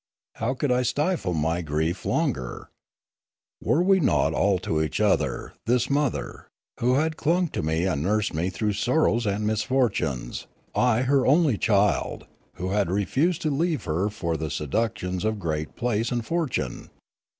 How could I stifle my grief longer ? Were we not all to each other, this mother, who had clung to me and nursed me through sorrows and misfortunes, I her only child, who had refused to leave her for the seductions of great place and fortune